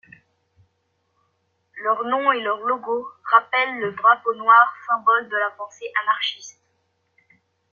Leur nom et leur logo rappellent le drapeau noir, symbole de la pensée anarchiste.